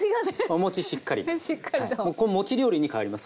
餅料理に変わります